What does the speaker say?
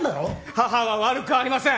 母は悪くありません！